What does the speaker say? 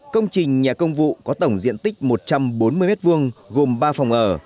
công trình nhà công vụ có tổng diện tích một trăm bốn mươi m hai gồm ba phòng ở